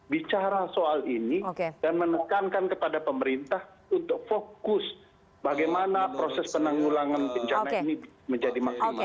bicara soal ini dan menekankan kepada pemerintah untuk fokus bagaimana proses penanggulangan bencana ini menjadi maksimal